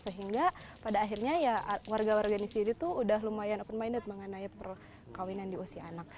sehingga pada akhirnya ya warga warga di sini tuh udah lumayan open minded mengenai perkawinan di usia anak